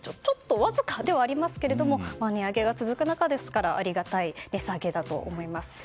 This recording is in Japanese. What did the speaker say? わずかではありますが値上げが続く中ですからありがたい値下げだと思います。